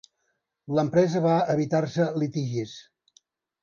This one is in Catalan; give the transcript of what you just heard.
L'empresa va evitar-se litigis.